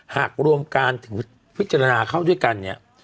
หากรวมการถึงพิจารณาเข้าด้วยกันเนี่ย